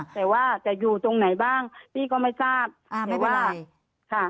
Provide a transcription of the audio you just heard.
แต่ว่าจะอยู่ตรงไหนบ้างพี่ก็ไม่ทราบไม่ว่าค่ะ